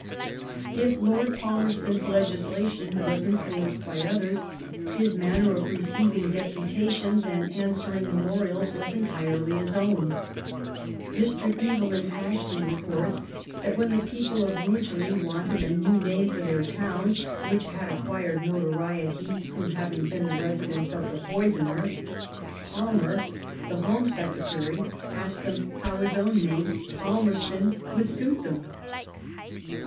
If Lord Palmerston's legislation was influenced by others, his manner of receiving deputations and answer ing memorials was entirely his own. Mr. Evelyn Ash ley records that when the people of Rugely wanted a new name for their town, which had acquired notoriety through having been the residence of the poisoner. Palmer, the Home Secretary asked them how his own name, *^ Palmerstown," would suit them.